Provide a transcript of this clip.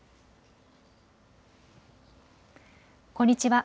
こんにちは。